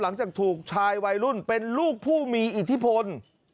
หลังจากถูกชายวัยรุ่นเป็นลูกผู้มีอิทธิพล